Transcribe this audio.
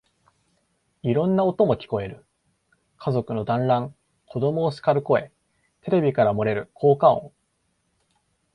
いろんな音も聞こえる。家族の団欒、子供をしかる声、テレビから漏れる効果音、